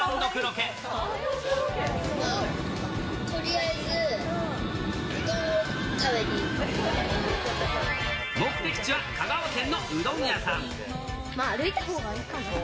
とりあえず、うどんを食べに目的地は香川県のうどん屋さまあ、歩いたほうがいいかな。